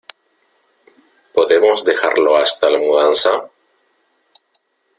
¿ Podemos dejarlo hasta la mudanza?